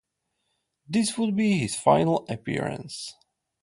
This would be his final appearance.